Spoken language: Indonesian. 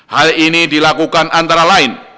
hal ini dilakukan antara lain